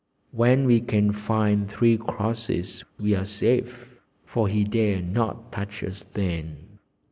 When we can find three crosses we are safe, for he dare not touch us then."